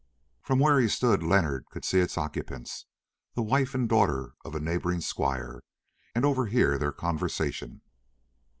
From where he stood Leonard could see its occupants, the wife and daughter of a neighbouring squire, and overhear their conversation.